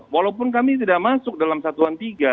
walaupun kami tidak masuk dalam satuan tiga